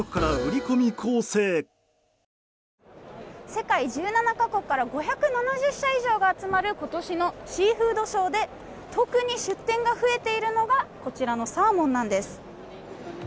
世界１７か国から５７０社以上が集まる今年のシーフードショーで特に出展が増えているのがこちらのサーモンなんです。